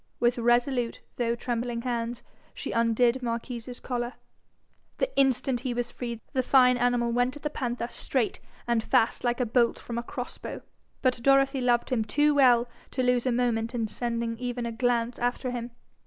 With resolute, though trembling hands, she undid Marquis's collar. The instant he was free, the fine animal went at the panther straight and fast like a bolt from a cross bow. But Dorothy loved him too well to lose a moment in sending even a glance after him.